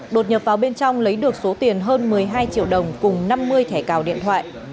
đột nhập vào bên trong lấy được số tiền hơn một mươi hai triệu đồng cùng năm mươi thẻ cào điện thoại